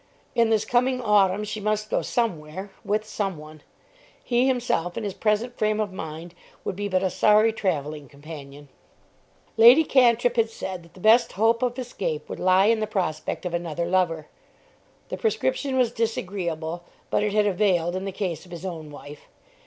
In this coming autumn she must go somewhere, with someone. He himself, in his present frame of mind, would be but a sorry travelling companion. Lady Cantrip had said that the best hope of escape would lie in the prospect of another lover. The prescription was disagreeable, but it had availed in the case of his own wife.